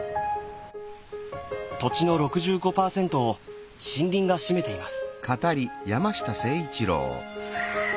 土地の６５％を森林が占めています。